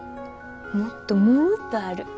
もっともっとある。